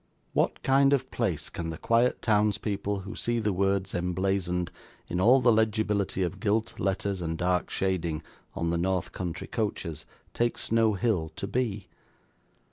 What kind of place can the quiet townspeople who see the words emblazoned, in all the legibility of gilt letters and dark shading, on the north country coaches, take Snow Hill to be?